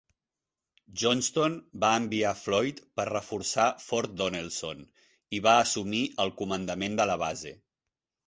Johnston va enviar Floyd per reforçar Fort Donelson i va assumir el comandament de la base.